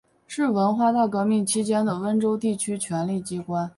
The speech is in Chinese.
是文化大革命期间的温州地区权力机关。